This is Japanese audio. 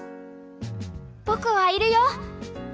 僕はいるよ！